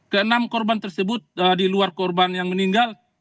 keenam korban tersebut di luar korban yang meninggal